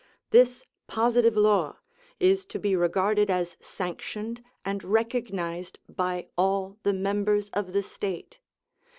This positive law is to be regarded as sanctioned and recognised by all the members of the state.